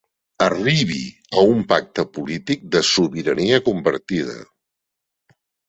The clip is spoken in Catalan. Arribi a un pacte polític de sobirania compartida.